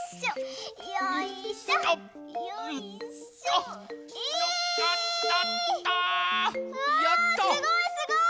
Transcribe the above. うわすごいすごい！